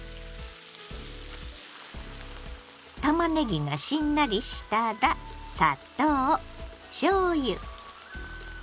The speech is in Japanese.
たまねぎがしんなりしたら砂糖しょうゆ酢。